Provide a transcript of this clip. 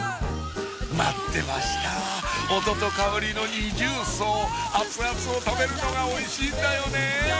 待ってました音と香りの二重奏熱々を食べるのがおいしいんだよねぇ